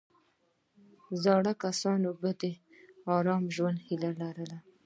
زړو کسانو به د آرام ژوند هیله لرله.